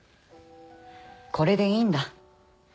これでいいんだ。